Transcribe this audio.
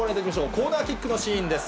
コーナーキックのシーンです。